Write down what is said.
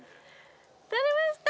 採れました。